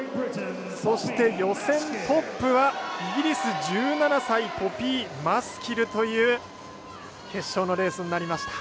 そして、予選トップはイギリス１７歳ポピー・マスキルという決勝のレースになりました。